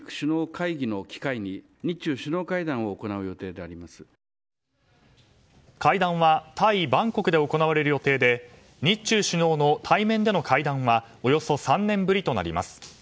会談はタイ・バンコクで行われる予定で日中首脳の対面での会談はおよそ３年ぶりとなります。